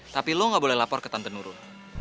tapi lo gak boleh lapor ke tante nurun